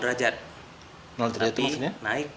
derajat maksudnya